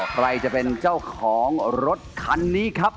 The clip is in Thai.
ใครจะเป็นเจ้าของรถคันนี้ครับ